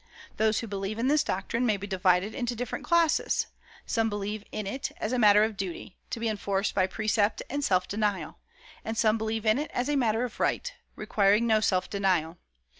Those who believe in this doctrine may be divided into different classes. Some believe in it as a matter of duty, to be enforced by precept and self denial; and some believe in it as a matter of right, requiring no self denial.